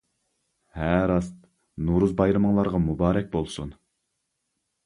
ھە راست نورۇز بايرىمىڭلارغا مۇبارەك بولسۇن!